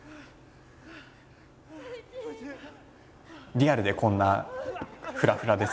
リアルでこんなフラフラですよね。